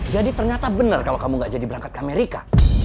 jadi ternyata bener kalo kamu ga jadi berangkat ke amerika